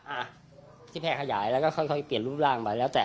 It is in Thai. อ่ะที่แพร่ขยายแล้วก็ค่อยเปลี่ยนรูปร่างไปแล้วแต่